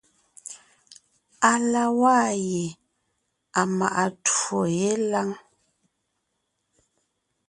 À la waa ye à maʼa twó yé lâŋ.